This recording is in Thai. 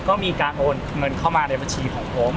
ก็มีการโอนเงินเข้ามาในบัญชีของผม